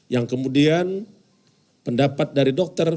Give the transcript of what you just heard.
yang kemudian pendapat dari dokter